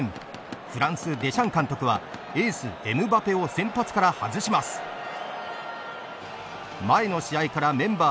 フランス、デシャン監督はエース、エムバペを先発から外します。